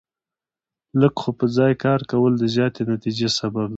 لږ خو په ځای کار کول د زیاتې نتیجې سبب دی.